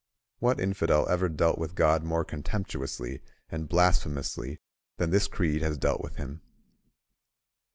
What infidel ever dealt with God more contemptuously and blasphemously than this creed has dealt with him?